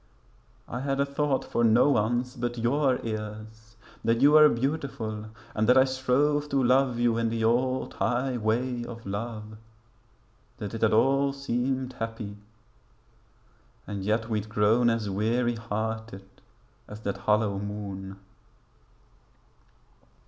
I had a thought for no one's but your ears; That you were beautiful and that I strove To love you in the old high way of love; That it had all seemed happy, and yet we'd grown As weary hearted as that hollow moon.